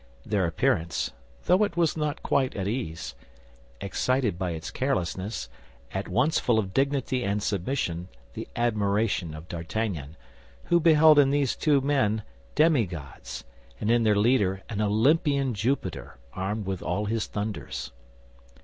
Their appearance, although it was not quite at ease, excited by its carelessness, at once full of dignity and submission, the admiration of D'Artagnan, who beheld in these two men demigods, and in their leader an Olympian Jupiter, armed with all his thunders.